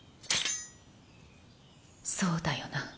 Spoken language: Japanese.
そうだよな。